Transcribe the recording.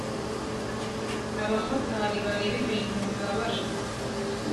abamotari bareba ibintu bibabaje